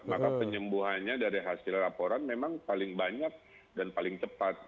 maka penyembuhannya dari hasil laporan memang paling banyak dan paling cepat